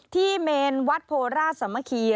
ที่เมนวัดโพราสมคีย์